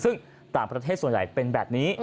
ซึ่งต่างประเทศส่วนใหญ่เป็นแบบนี้